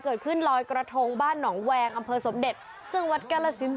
ถูกต้องไปที่สื่อโคศกเขาก้าว